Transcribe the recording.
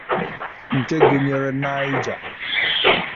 nke gụnyere Niger